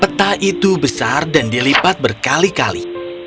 peta itu besar dan dilipat berkali kali